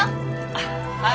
あっはい！